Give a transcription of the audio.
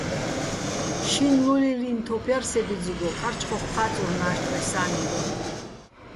შინლულილიჼ თოფ ჲარ სე ბიძიგო, კარჩხოხ ჴა́წურ ნაჟტრე სა́ნიგო.